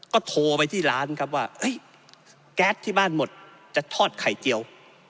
ก็โทรไปที่ร้านครับว่าแก๊สที่บ้านหมดจะทอดไข่เจียว